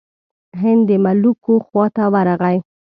هند د ملوکو خواته ورغی.